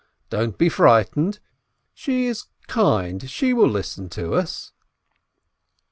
Don't be frightened, she is kind; she will listen to us."